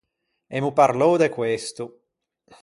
Emmo parlou de questo.